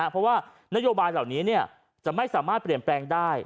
เพราะว่านโยบายเหล่านี้จะไม่สามารถเปลี่ยนแปลงได้